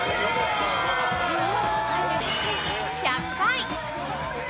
１００回！